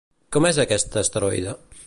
Com és aquest asteroide?